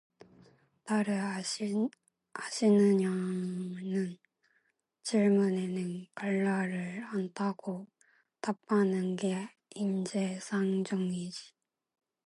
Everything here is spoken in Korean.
도를 아시느냐는 질문에는 칼라를 안다고 답하는 게 인지상정이지.